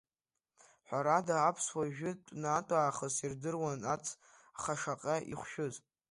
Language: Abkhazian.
Ҳәарада, аԥсуаа жәытәнатәаахыс ирдыруан ацха шаҟа ихәшәыз.